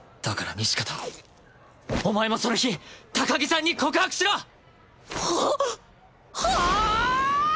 だから西片お前もその日高木さんに告白しろ！